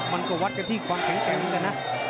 มันก็วัดกันที่ความแข็งแกรมกันนะ